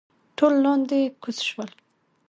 ټول لاندې کوز شول.